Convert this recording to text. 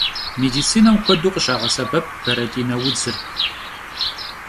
Медицинэм куэду къыщагъэсэбэп бэрэтӏинэ удзыр.